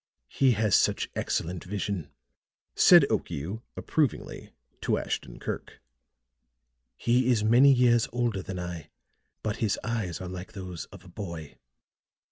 "He has such excellent vision," said Okiu, approvingly, to Ashton Kirk. "He is many years older than I, but his eyes are like those of a boy.